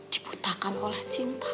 diputarkan oleh cinta